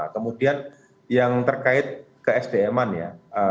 kemudian yang terkait ke sdm an ya